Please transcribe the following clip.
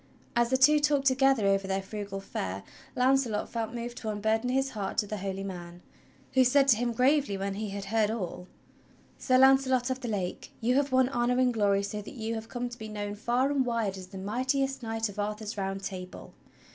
As the two talked together over their frugal fare, Launcelot felt moved to unburden his heart to the holy man, who said to him gravely when he had heard all: "Sir Launcelot of the Lake, you have won honor and glory so that you have come to be known far and wide as the mightiest knight of Arthur's Round Table.